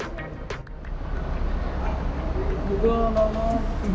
terus kenapa harus karantina